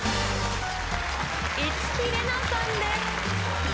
市來玲奈さんです。